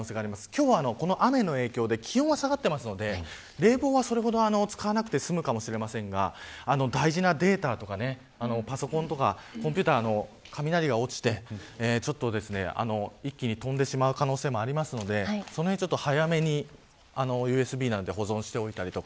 今日は、この雨の影響で気温は下がってますので冷房はそれほど使わなくて済むかもしれませんが大事なデータとかパソコンとかコンピューターの雷が落ちて一気に飛んでしまう可能性がありますのでそのへん、早めにＵＳＢなどで保存しておいたりとか。